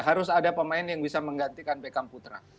harus ada pemain yang bisa menggantikan beckham putra